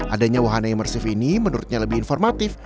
adanya wahana imersif ini menurutnya lebih informatif